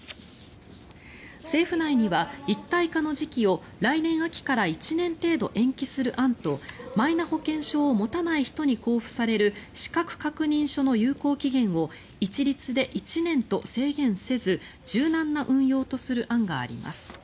政府内には、一体化の時期を来年秋から１年程度延期する案とマイナ保険証を持たない人に交付される資格確認書の有効期限を一律で１年と制限せず柔軟な運用とする案があります。